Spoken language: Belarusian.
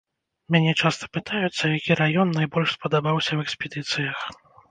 Мяне часта пытаюцца, які раён найбольш спадабаўся ў экспедыцыях.